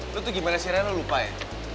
lo tuh gimana siaranya lo lupa ya